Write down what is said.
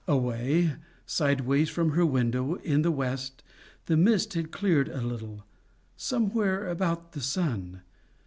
Away, sideways from her window, in the west, the mist had cleared a little somewhere about the sun.